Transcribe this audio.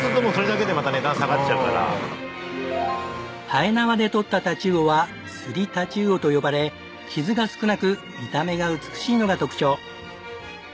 はえ縄で獲った太刀魚は釣り太刀魚と呼ばれ傷が少なく見た目が美しいのが特徴。